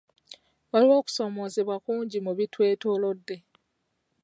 Waliwo okusomoozebwa kungi mu bitwetoolodde.